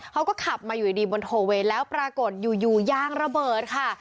เขาก็ขับมาอยู่ดีบนโทเวย์แล้วปรากฏอยู่ยางระเบิดค่ะ